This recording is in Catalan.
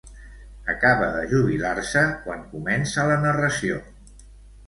Acaba de jubilar-se quan comença la narració.